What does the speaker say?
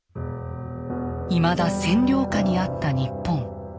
いまだ占領下にあった日本。